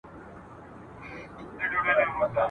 تر څو پوري چي د منظور پښتین !.